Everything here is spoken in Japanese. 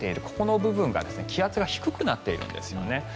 ここの部分が気圧が低くなっているんですね。